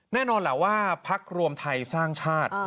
แน่นอนแหละว่าพักรวมไทยสร้างชาติ